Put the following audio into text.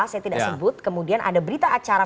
saya tidak sebut kemudian ada berita acara